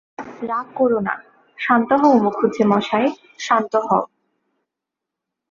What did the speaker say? রাগ কোরো না, শান্ত হও মুখুজ্যেমশায়, শান্ত হও।